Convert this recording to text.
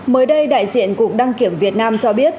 mới đây đại diện cục đăng kiểm việt nam cho biết